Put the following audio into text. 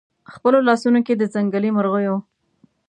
خپلو لاسونو کې د ځنګلي مرغیو